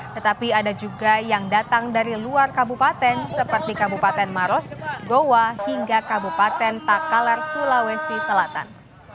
tetapi ada juga yang datang dari luar kabupaten seperti kabupaten maros goa hingga kabupaten takalar sulawesi selatan